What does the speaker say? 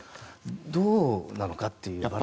どうなのかっていう。